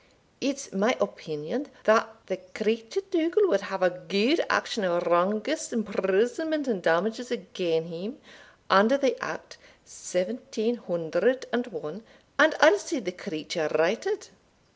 It's my opinion that the creature Dougal will have a good action of wrongous imprisonment and damages agane him, under the Act seventeen hundred and one, and I'll see the creature righted."